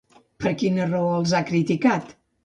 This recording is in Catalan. Per quina raó els ha criticat?